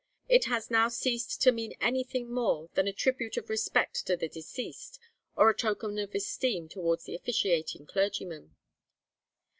It has now ceased to mean anything more than a tribute of respect to the deceased, or a token of esteem towards the officiating clergyman.